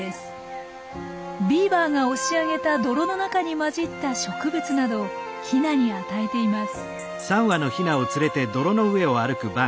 ビーバーが押し上げた泥の中に混じった植物などをヒナに与えています。